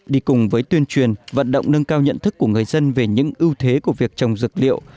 đi cùng với tuyên truyền vận động nâng cao nhận thức của người dân về những ưu thế của việc trồng dược liệu